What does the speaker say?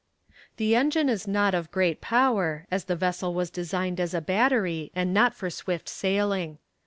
"The engine is not of great power, as the vessel was designed as a battery, and not for swift sailing.